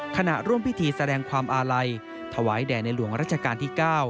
ขณะร่วมพิธีแสดงความอาลัยถวายแด่ในหลวงรัชกาลที่๙